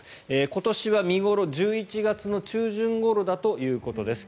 今年は見頃が１１月中旬ごろということです。